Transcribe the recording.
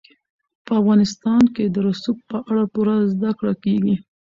په افغانستان کې د رسوب په اړه پوره زده کړه کېږي.